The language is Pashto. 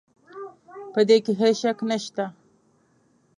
په دې کې هېڅ شک نه شته.